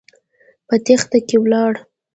په تېښته کې ولاړ.